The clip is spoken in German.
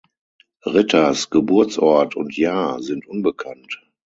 Ritters Geburtsort und -jahr sind unbekannt.